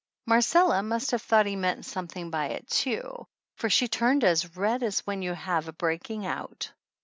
Marcella must have thought he meant something by it, too, for she turned as red as when you have a breaking out.